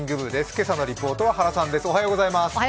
今朝のリポートは原さんです。